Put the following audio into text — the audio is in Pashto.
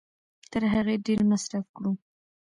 تر هغې ډېر مصرف کړو